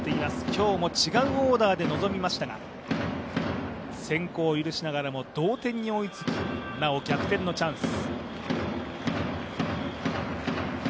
今日も違うオーダーで臨みましたが、先行を許しながらも同点に追いつき、なお逆転のチャンス。